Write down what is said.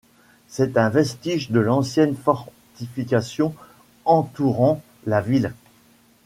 C'est un vestige de l’ ancienne fortification entourant la ville.